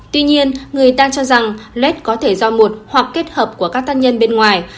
tuy nhiên người ta cho rằng led có thể do một hoặc kết hợp của các thân nhân bên ngoài